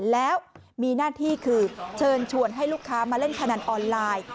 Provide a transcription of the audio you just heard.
แล้วมีหน้าที่คือเชิญชวนให้ลูกค้ามาเล่นพนันออนไลน์